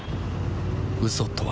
嘘とは